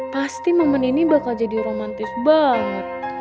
pasti momen ini bakal jadi romantis banget